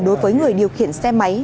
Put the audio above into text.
đối với người điều khiển xe máy